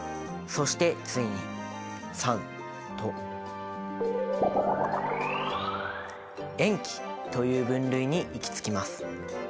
そしてついに酸と塩基という分類に行き着きます。